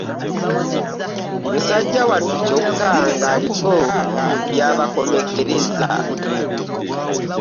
Musajja wattu kyokka nga aliko by'abakomekkereza.